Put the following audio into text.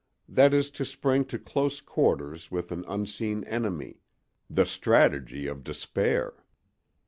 That is to spring to close quarters with an unseen enemy—the strategy of despair!